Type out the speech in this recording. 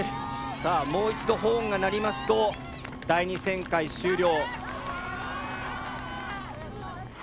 さあもう一度ホーンが鳴りますと第２旋回終了。